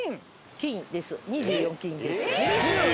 金です。